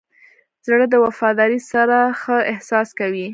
زړه له وفادارۍ سره ښه احساس کوي.